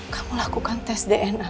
kamu lakukan tes dna